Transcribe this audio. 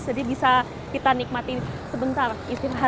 jadi bisa kita nikmati sebentar istirahat